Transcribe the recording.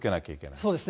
そうですね。